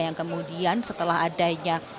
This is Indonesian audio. yang kemudian setelah adanya